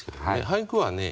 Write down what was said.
俳句はね